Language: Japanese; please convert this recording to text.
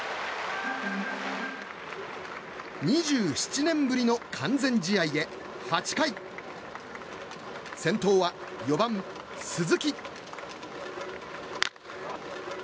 ２７年ぶりの完全試合へ８回、先頭は４番、鈴木。